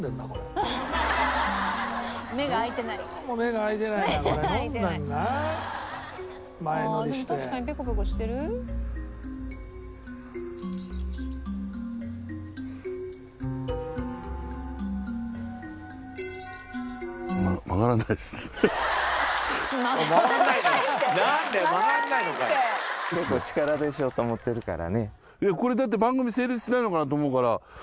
いやこれだって番組成立しないのかなと思うから。